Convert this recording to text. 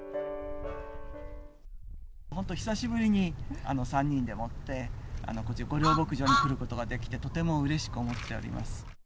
ほんと久しぶりに、３人でもって、御料牧場に来ることができて、とてもうれしく思っております。